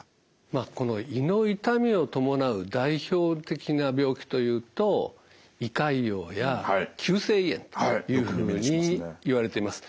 まあこの胃の痛みを伴う代表的な病気というと胃潰瘍や急性胃炎というふうにいわれています。